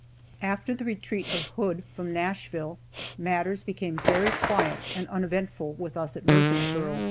After the retreat of Hood from Nashville, matters became very quiet and uneventful with us at Murfreesboro.